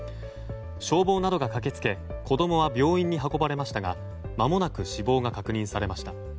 消防などが駆け付け子供は病院に運ばれましたがまもなく死亡が確認されました。